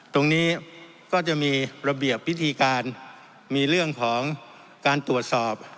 ตรงนี้ก็จะมีระเบียบพิธีการมีเรื่องของการตรวจสอบ